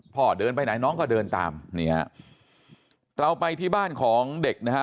เดินไปไหนน้องก็เดินตามนี่ฮะเราไปที่บ้านของเด็กนะฮะ